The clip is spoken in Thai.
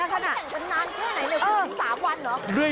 เขาแข่งกันนานแค่ไหนสามวันเหรอ